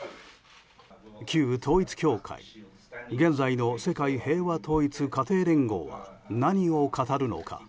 旧統一教会現在の世界平和統一家庭連合は何を語るのか。